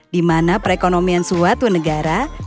di mana perekonomian suatu negara